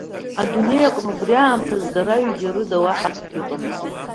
Адунеи аҟны убри аамҭазы дара аҩыџьа рыда уаҳа акгьы ыҟамызт.